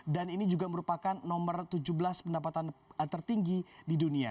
dan ini juga merupakan nomor tujuh belas pendapatan tertinggi di dunia